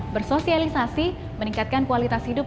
bersosialisasi meningkatkan kualitas hidup